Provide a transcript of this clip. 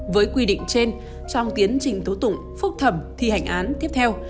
với quy định trên trong tiến trình tố tụng phúc thẩm thi hành án tiếp theo